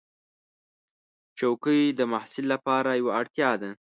چوکۍ د محصل لپاره یوه اړتیا ده.